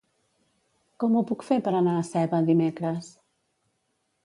Com ho puc fer per anar a Seva dimecres?